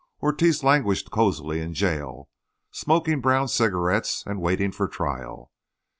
Ortiz languished cozily in jail, smoking brown cigarettes and waiting for trial.